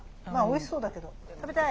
まあおいしそうだけど。